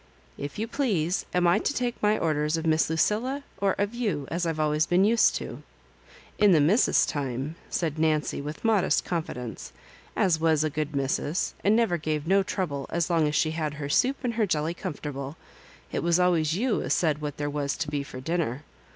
If you please, am I to take my orders of Miss Lucilla, or of you, as I've always been used to? In the missus's time," said Nancy, with modest confidence, "as was a good missus, and never gave no trouble as long as she had her soup and her jelly comfortable, it was always you as said what there was to bo for Digitized by VjOOQIC loss HABJOBIBANKS. 11 diiitier.